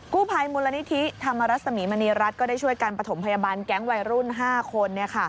กู้ภัยมูลนิธิธรรมรสมีมณีรัฐก็ได้ช่วยการประถมพยาบาลแก๊งวัยรุ่น๕คน